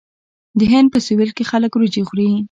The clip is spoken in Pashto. د هند په سویل کې خلک وریجې خوري.